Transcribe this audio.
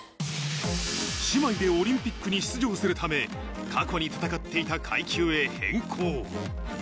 姉妹でオリンピックに出場するため、過去に戦っていた階級へ変更。